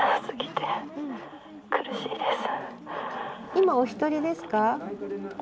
今お一人ですか？